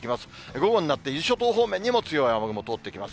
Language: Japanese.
午後になって、伊豆諸島方面にも強い雨雲通っていきます。